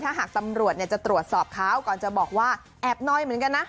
ถ้าหากตำรวจจะตรวจสอบเขาก่อนจะบอกว่าแอบน้อยเหมือนกันนะ